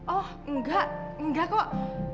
oh enggak enggak kok